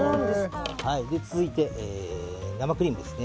続いて、生クリームです。